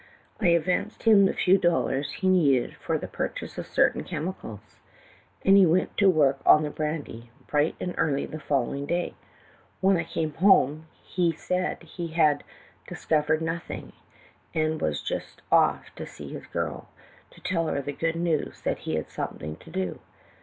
'" "I advanced him the few dollars he needed for the purchase of certain chemicals, and he went to work on the brandy, bright and earl}^ on the fol lowing day. When I came home he said he had discovered nothing, and was just off to see his girl to tell her the good news that he had something to do.